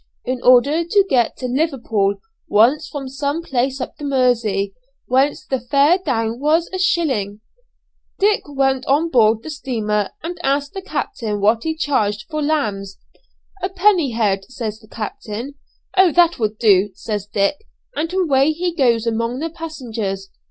In order to get to Liverpool once from some place up the Mersey, whence the fare down was a shilling, Dick went on board the steamer and asked the captain what he charged for lambs. 'A penny a head,' says the captain. 'Oh! that will do,' says Dick; and away he goes among the passengers.